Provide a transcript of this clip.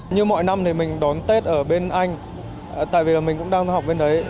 như mọi năm thì mình đón tết ở bên anh tại vì mình cũng đang học bên đấy